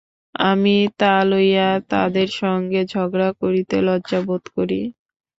আমি তা লইয়া তাদের সঙ্গে ঝগড়া করিতে লজ্জা বোধ করি।